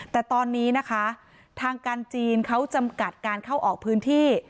แต่ตอนนี้นะคะทางการจีนเขาจำกัดการเข้าออกพื้นที่